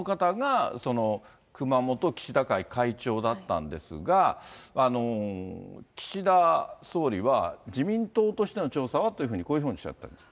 で、この方が熊本岸田会会長だったんですが、岸田総理は自民党としての調査はというふうに、こういうふうにおっしゃっています。